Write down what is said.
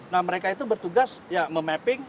nah mereka itu bertugas ya memapping